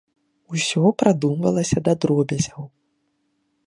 Усё прадумвалася да дробязяў.